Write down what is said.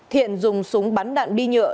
thiện dùng súng bắn đạn đi nhựa